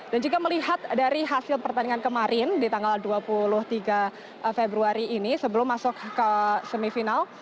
dan jika melihat dari hasil pertandingan kemarin di tanggal dua puluh tiga februari ini sebelum masuk ke semifinal